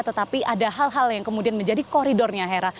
tetapi ada hal hal yang kemudian menjadi koridornya hera